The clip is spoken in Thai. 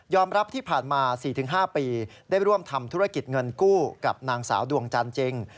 รับที่ผ่านมา๔๕ปีได้ร่วมทำธุรกิจเงินกู้กับนางสาวดวงจันทร์จริง